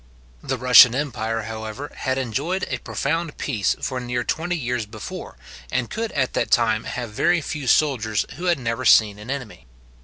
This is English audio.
The Russian empire, however, had enjoyed a profound peace for near twenty years before, and could at that time have very few soldiers who had ever seen an enemy.